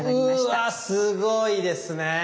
うわすごいですね。